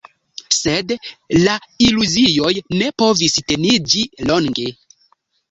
Sed la iluzioj ne povis teniĝi longe.